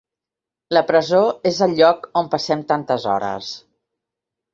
La presó és el lloc on passem tantes hores.